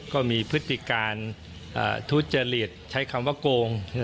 พฤติการทุจริตใช้คำว่าโกง